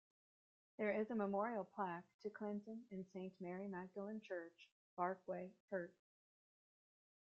There is a memorial plaque to Clinton in Saint Mary Magdalene Church, Barkway, Herts.